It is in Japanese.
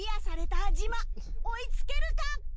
追いつけるか！？